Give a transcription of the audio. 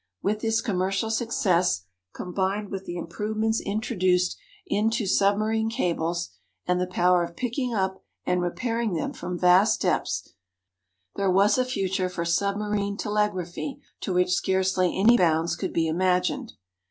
With this commercial success combined with the improvements introduced into submarine cables, and the power of picking up and repairing them from vast depths there was a future for submarine telegraphy to which scarcely any bounds could be imagined.